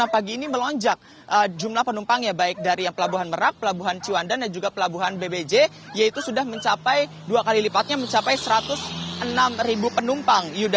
pagi ini melonjak jumlah penumpangnya baik dari yang pelabuhan merak pelabuhan ciwandan dan juga pelabuhan bbj yaitu sudah mencapai dua kali lipatnya mencapai satu ratus enam penumpang